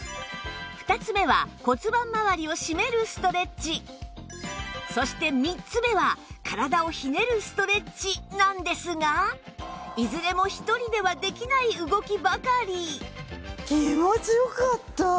２つ目はそして３つ目は体をひねるストレッチなんですがいずれも１人ではできない動きばかり気持ちよかった！